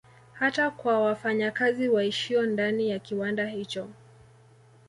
Hata kwa wafanya kazi waishio ndani ya kiwanda hicho